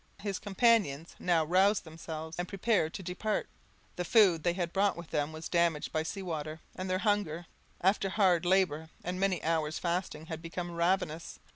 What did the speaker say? His companions now roused themselves, and prepared to depart. The food they had brought with them was damaged by sea water, and their hunger, after hard labour and many hours fasting, had become ravenous.